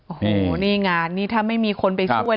โอ้โหนี่งานนี้ถ้าไม่มีคนไปช่วย